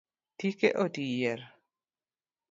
Tike oti yier